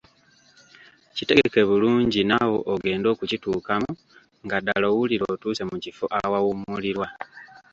Kitegeke bulungi naawe ogende okituukamu nga ddala owulira otuuse mu kifo awawummulirwa.